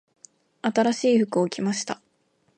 新しい服を着ました。